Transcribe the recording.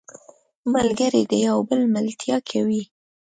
ملګری د یو بل ملتیا کوي